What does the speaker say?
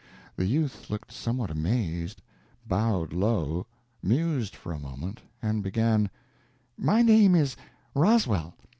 The youth looked somewhat amazed, bowed low, mused for a moment, and began: "My name is Roswell.